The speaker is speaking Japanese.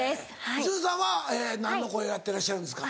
市ノ瀬さんは何の声やってらっしゃるんですか？